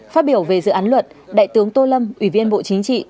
phát biểu về dự án luật đại tướng tô lâm ủy viên bộ chính trị